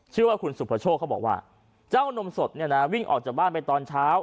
ชื่อว่าคุณสุภโชคเขาบอกว่าเจ้านมสดเนี่ยนะวิ่งออกจากบ้านไปตอนเช้า